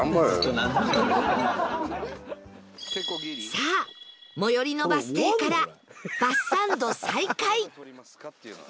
さあ最寄りのバス停からバスサンド再開